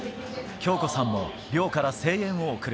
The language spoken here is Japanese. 京子さんも寮から声援を送る。